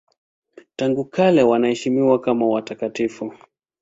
Tangu kale wanaheshimiwa kama watakatifu.